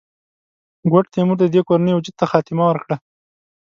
ګوډ تیمور د دې کورنۍ وجود ته خاتمه ورکړه.